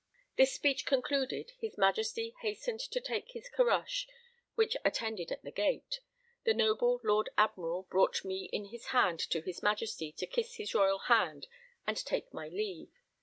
This speech concluded, his Majesty hastened to take his caroche which attended at the gate: the noble Lord Admiral brought me in his hand to his Majesty, to kiss his royal hand and take my leave.